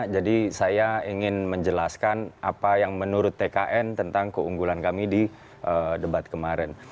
jadi saya ingin menjelaskan apa yang menurut tkn tentang keunggulan kami di debat kemarin